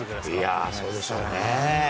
いやー、そうでしょうね。